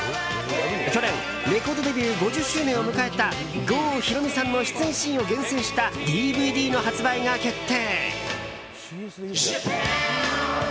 去年、レコードデビュー５０周年を迎えた郷ひろみさんの出演シーンを厳選したＤＶＤの発売が決定。